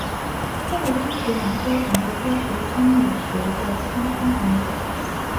他的医学研究成为科学心理学的先锋工作。